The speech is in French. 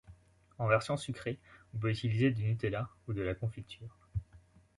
En version sucrée, on peut utiliser du Nutella ou de la confiture.